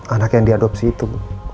anak yang diadopsi itu